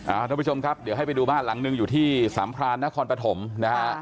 ท่านผู้ชมครับเดี๋ยวให้ไปดูบ้านหลังหนึ่งอยู่ที่สามพรานนครปฐมนะฮะ